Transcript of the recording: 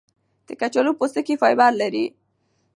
د کچالو پوستکی فایبر لري.